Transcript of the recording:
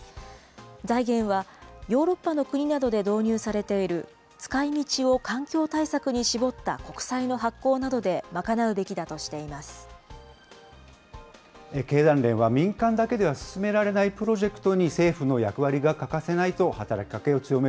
財源は、ヨーロッパの国などで導入されている、使いみちを環境対策に絞った国債の発行などで賄うべきだとしてい経団連は、民間だけでは進められないプロジェクトに政府の役割が欠かせない